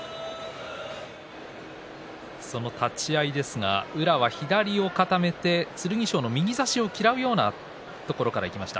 その立ち合いですが宇良は左を固めて剣翔の右差しを嫌うようなところからいきました。